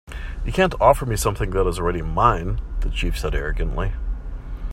"You can't offer me something that is already mine," the chief said, arrogantly.